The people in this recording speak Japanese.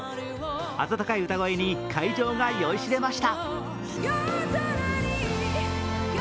温かい歌声に会場が酔いしれました。